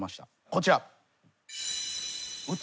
こちら。